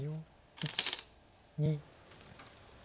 １２。